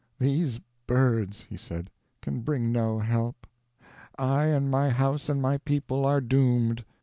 "These birds," he said, "can bring no help; I and my house and my people are doomed."